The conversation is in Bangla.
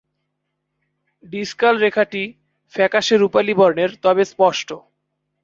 ডিসকাল রেখাটি ফ্যাকাশে রুপালি বর্ণের তবে স্পষ্ট।